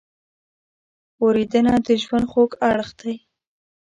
اورېدنه د ژوند خوږ اړخ دی.